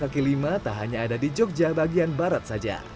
kedai laka kilima tak hanya ada di jogja bagian barat saja